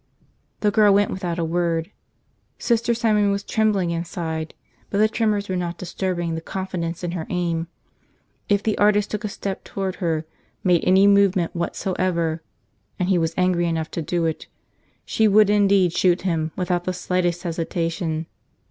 The girl went without a word. Sister Simon was trembling inside, but the tremors were not disturbing the confidence in her aim. If the artist took a step toward her, made any movement whatsoever – and he was angry enough to do it – she would indeed shoot him without the slightest hesitation.